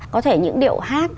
có thể những điệu hát